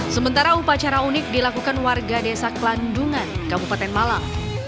sementara upacara unik dilakukan warga desa klandungan kabupaten malang